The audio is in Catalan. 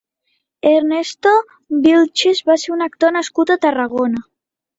Ernesto Vilches va ser un actor nascut a Tarragona.